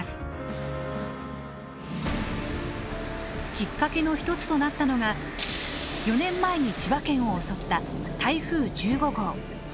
きっかけの一つとなったのが４年前に千葉県を襲った台風１５号。